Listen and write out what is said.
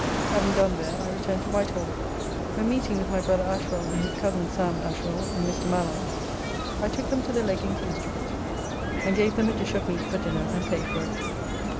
Having done there I returned to Whitehall, where meeting with my brother Ashwell and his cozen Sam. Ashwell and Mr. Mallard, I took them to the Leg in King Street and gave them a dish of meat for dinner and paid for it.